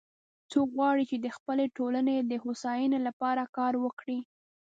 څوک غواړي چې د خپلې ټولنې د هوساینی لپاره کار وکړي